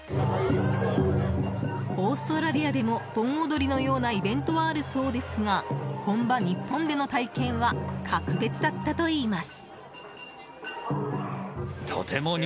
オーストラリアでも盆踊りのようなイベントはあるそうですが本場・日本での体験は格別だったといいます。